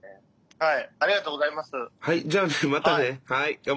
はい。